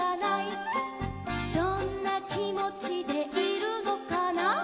「どんなきもちでいるのかな」